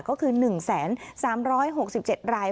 ก็คือ๑๓๖๗ราย